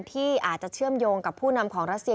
ที่อาจจะเชื่อมโยงกับผู้นำของรัสเซีย